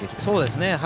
そうですね。